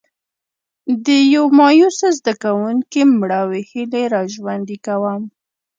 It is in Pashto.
د یو مایوسه زده کوونکي مړاوې هیلې را ژوندي کوم.